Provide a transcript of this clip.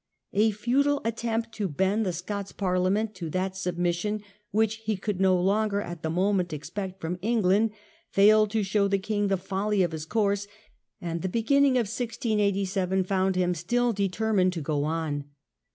A futile attempt to bend the Scots Parliament to that submission which he could no longer, at the moment, expect from England failed to show the king a change of the folly of his course; and the beginning of policy 1M7. 1687 found him still determined to go on.